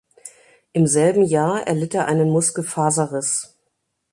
Im selben Jahr erlitt er einen Muskelfaserriss.